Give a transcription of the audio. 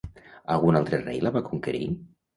Algun altre rei la va conquerir?